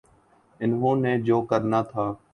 انہوں نے جو کرنا تھا۔